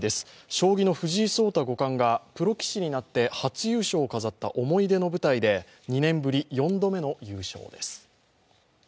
将棋の藤井聡太五冠がプロ棋士になって思い出の舞台で２年ぶり４度目の優勝です。